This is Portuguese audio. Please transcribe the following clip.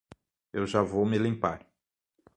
Eu já vou me limpar